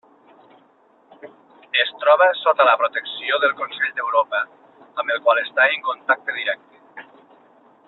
Es troba sota la protecció del Consell d'Europa amb el qual està en contacte directe.